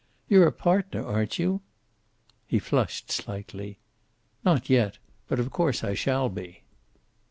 "You're a partner, aren't you?" He flushed slightly. "Not yet. But of course I shall be."